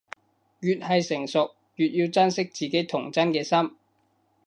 越係成熟，越要珍惜自己童真嘅心